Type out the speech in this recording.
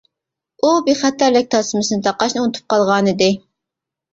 ئۇ بىخەتەرلىك تاسمىسىنى تاقاشنى ئۇنتۇپ قالغانىدى.